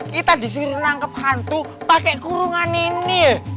kita disuruh nangkep hantu pakai kurungan ini